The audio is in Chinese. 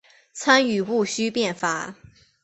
参与戊戌变法。